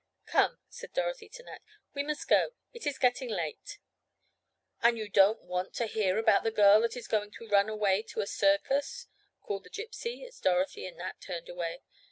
"Come," said Dorothy to Nat. "We must go. It is getting late." "And you don't want to hear about the girl that is going to run away to a circus?" called the Gypsy as Dorothy and Nat turned away.